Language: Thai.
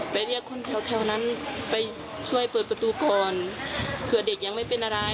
เรียกคนแถวแถวนั้นไปช่วยเปิดประตูก่อนเผื่อเด็กยังไม่เป็นอะไร